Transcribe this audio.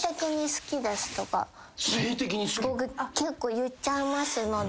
僕結構言っちゃいますので。